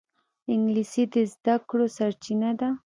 انګلیسي د زده کړو سرچینه ده